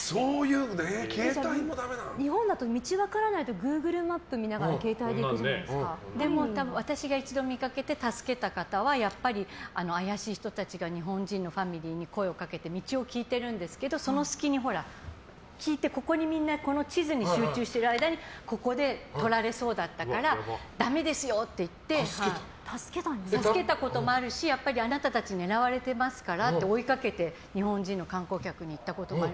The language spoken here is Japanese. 日本だと道分からないとグーグルマップ見ながら私が一度見かけて助けた方はやっぱり怪しい人たちが日本人のファミリーに声をかけて道を聞いてるんですけどその隙に聞いて、地図にみんな集中してる間にここでとられそうだったからダメですよって言って助けたこともあるしあなたたち狙われてますからって追いかけて、日本人の観光客に言ったこともある。